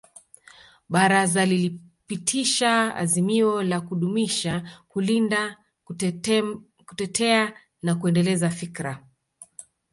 Baraza lilipitisha azimio la kudumisha kulinda kutetea na kuendeleza fikra